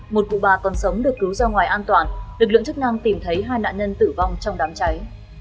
một cụ bà còn sống được cứu ra ngoài an toàn lực lượng chức năng tìm thấy hai nạn nhân tử vong trong đám cháy